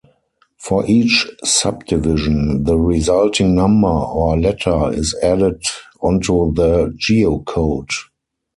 For each subdivision, the resulting number or letter is added onto the geocode.